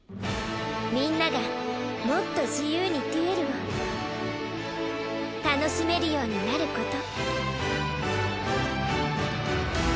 みんながもっと自由にデュエルを楽しめるようになること。